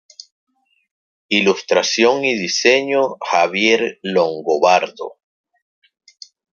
Ilustración y diseño: Javier Longobardo.